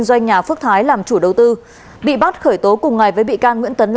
xin chào và hẹn gặp lại